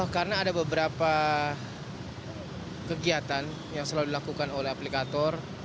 karena ada beberapa kegiatan yang selalu dilakukan oleh aplikator